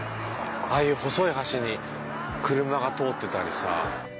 ああいう細い橋に車が通ってたりさ。